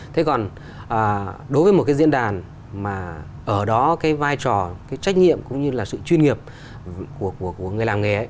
thế còn đối với một cái diễn đàn mà ở đó cái vai trò cái trách nhiệm cũng như là sự chuyên nghiệp của người làm nghề ấy